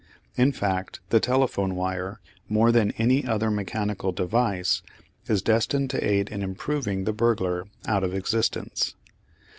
In fact the telephone wire, more than any other mechanical device, is destined to aid in "improving" the burglar out of existence.